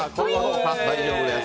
大丈夫です。